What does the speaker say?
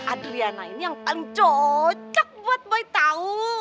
adriana ini yang paling cocok buat boy tahu